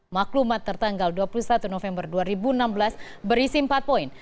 maklumat tertanggal dua puluh satu november dua ribu enam belas berisi empat poin